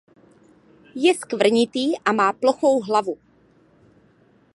Je skvrnitý a má plochou hlavu.